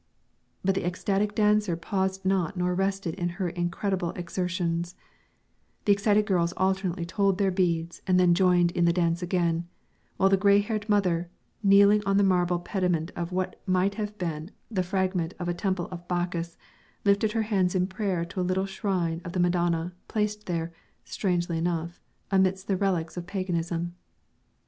But the ecstatic dancer paused not nor rested in her incredible exertions; the excited girls alternately told their beads and then joined in the dance again, while the gray haired mother, kneeling on the marble pediment of what might have been the fragment of a temple of Bacchus, lifted her hands in prayer to a little shrine of the Madonna, placed there, strangely enough, amidst the relics of paganism.